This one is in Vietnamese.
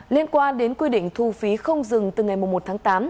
liên quan đến quy định thu phí không dừng từ ngày một tháng tám